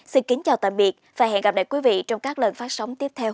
xin kính chào tạm biệt và hẹn gặp lại quý vị trong các lần phát sóng tiếp theo